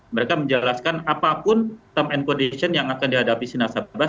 mereka menjelaskan apapun term and condition yang akan dihadapi si nasabah